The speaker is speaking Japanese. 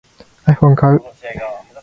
iPhone を買う